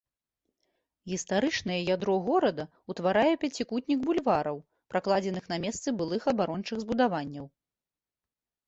Гістарычнае ядро горада ўтварае пяцікутнік бульвараў, пракладзеных на месцы былых абарончых збудаванняў.